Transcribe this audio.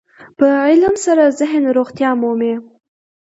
په علم سره ذهن روغتیا مومي.